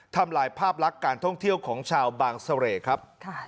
ทำลายภาพลักษณ์การท่องเที่ยวของชาวบางเสร่ครับ